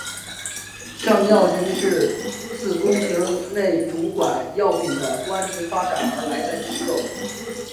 尚药局是自宫廷内主管药品的官职发展而来的机构。